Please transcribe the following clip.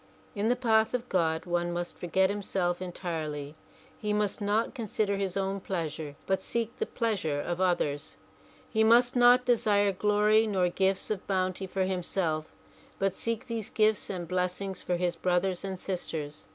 In the path of God one must forget himself entirely. He must not consider his own pleasure but seek the pleas ure of others. He must not desire glory nor gifts of bounty for himself but seek these gifts and blessings for his brothers and sisters.